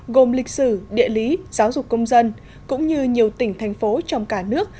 gồm lịch sử địa lý giáo dục công dân cũng như nhiều tỉnh thành phố trong cả nước